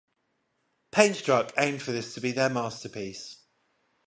Painstruck aimed for this to be their masterpiece.